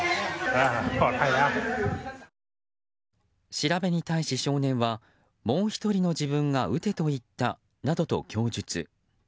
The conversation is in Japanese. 調べに対し、少年はもう１人の自分が撃てと言ったなどと供述。